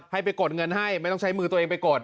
ให้ไปกดเงินให้ไม่ต้องใช้มือตัวเองไปกด